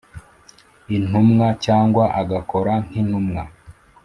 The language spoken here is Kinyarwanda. intumwa cyangwa agakora nk intumwa